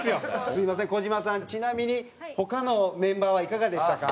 すみません児島さんちなみに他のメンバーはいかがでしたか？